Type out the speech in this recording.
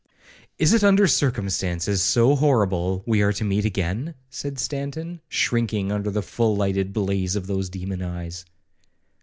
'—'Is it under circumstances so horrible we are to meet again?' said Stanton, shrinking under the full lighted blaze of those demon eyes.